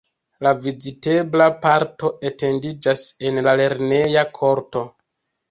La vizitebla parto etendiĝas en la lerneja korto.